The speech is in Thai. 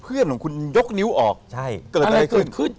เพื่อนของคุณยกนิ้วออกใช่เกิดอะไรขึ้น